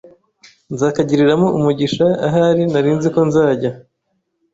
nzakagiriramo umugisha, ahari narinziko nzajya